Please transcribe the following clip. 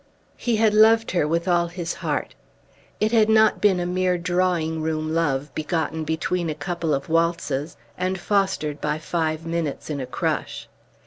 He had loved her with all his heart. It had not been a mere drawing room love begotten between a couple of waltzes, and fostered by five minutes in a crush.